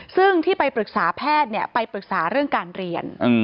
ซึ่งที่ไปปรึกษาแพทย์ไปปรึกษาเรื่องการเรียน